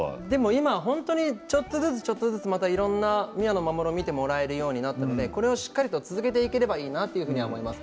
今、ちょっとずつちょっとずつ、いろんな宮野真守を見てもらえるようになったので、これを少しずつ続けられればいいなと思います。